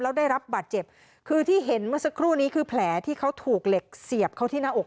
แล้วได้รับบาดเจ็บคือที่เห็นเมื่อสักครู่นี้คือแผลที่เขาถูกเหล็กเสียบเข้าที่หน้าอก